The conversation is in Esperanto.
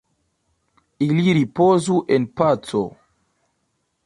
Ili ripozu en paco.